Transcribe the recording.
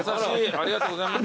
ありがとうございます。